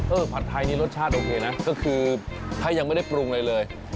ผัดไทยนี่รสชาติโอเคนะก็คือถ้ายังไม่ได้ปรุงอะไรเลย